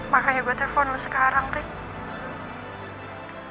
makanya gue telfon lo sekarang rick